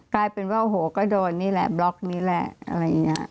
กลายเป็นว่าโอ้โหก็โดนนี่แหละบล็อกนี่แหละอะไรอย่างนี้